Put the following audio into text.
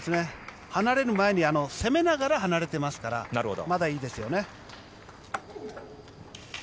離れる前に攻めながら離れていますからまだいいですよね。